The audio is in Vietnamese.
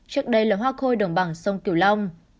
trước đây là hoa khôi đồng bằng sông kiều long